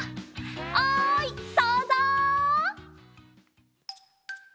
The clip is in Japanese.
おいそうぞう！